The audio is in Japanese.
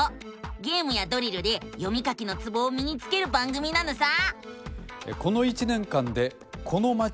ゲームやドリルで読み書きのツボをみにつける番組なのさ！